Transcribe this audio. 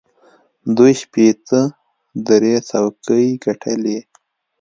دوی شپېته درې څوکۍ ګټلې.